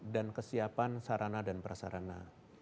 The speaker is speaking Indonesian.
dan kesiapan sarana dan prasarana